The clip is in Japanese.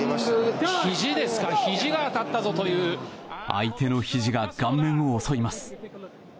相手のひじが顔面を襲います。